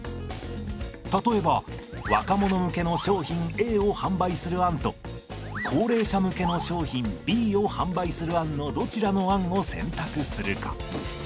例えば若者向けの商品Ａを販売する案と高齢者向けの商品Ｂを販売する案のどちらの案を選択するか。